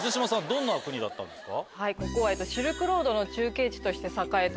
どんな国だったんですか？